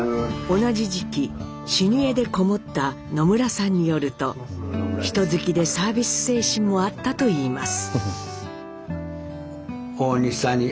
同じ時期修二会で籠もった野村さんによると人好きでサービス精神もあったといいます。